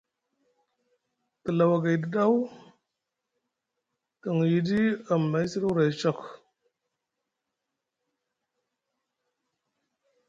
Te lawa gayɗi daw te ŋuyiɗi amay siɗi huray sok.